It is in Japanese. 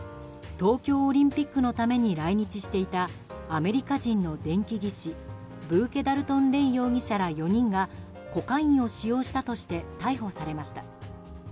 東京オリンピックのために来日していたアメリカ人の電気技師ブーケ・ダルトン・レイ容疑者ら４人がコカインを使用したとして逮捕されました。